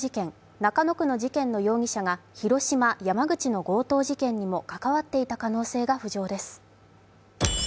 中野区の事件の容疑者が広島・山口の強盗事件にも関わっていた可能性が浮上です。